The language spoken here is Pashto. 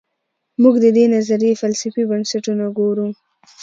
موږ د دې نظریې فلسفي بنسټونه ګورو.